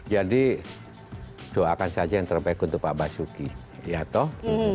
jadi doakan saja yang terbaik untuk pak basuki ya toh